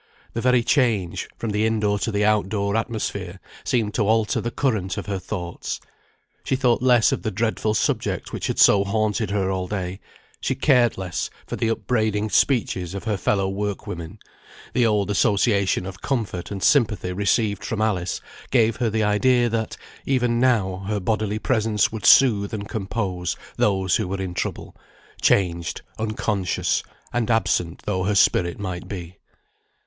The very change, from the in door to the out door atmosphere, seemed to alter the current of her thoughts. She thought less of the dreadful subject which had so haunted her all day; she cared less for the upbraiding speeches of her fellow work women; the old association of comfort and sympathy received from Alice gave her the idea that, even now, her bodily presence would soothe and compose those who were in trouble, changed, unconscious, and absent though her spirit might be.